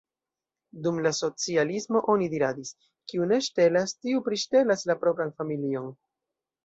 Dum la socialismo oni diradis: kiu ne ŝtelas, tiu priŝtelas la propran familion.